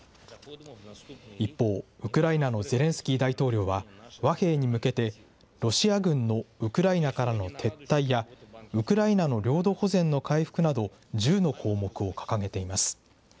一方、ウクライナのゼレンスキー大統領は、和平に向けて、ロシア軍のウクライナからの撤退や、ウクライナの領土保全の回復など、１０の項目を掲げています。